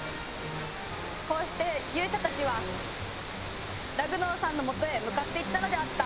こうして勇者たちはラグノオさんのもとへ向かっていったのであった。